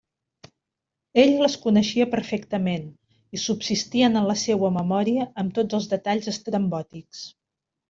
Ell les coneixia perfectament, i subsistien en la seua memòria amb tots els detalls estrambòtics.